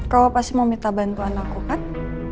kamu pasti mau minta bantuan aku kan